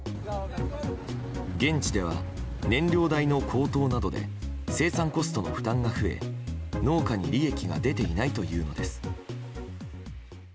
現地では、燃料代の高騰などで生産コストの負担が増え農家に利益が出ていないというのです。